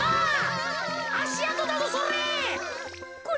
あしあとだぞそれ。